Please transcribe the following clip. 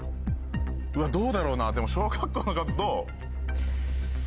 うわどうだろうなでも小学校の数どう？